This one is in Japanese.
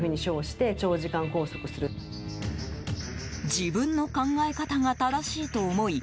自分の考え方が正しいと思い